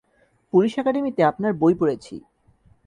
Police একাডেমীতে আপনার বই পড়েছি।